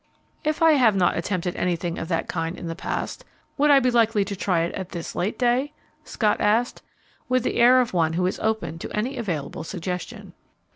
"If I have not attempted anything of that kind in the past, would I be likely to try it at this late day?" Scott asked, with the air of one who is open to any available suggestion.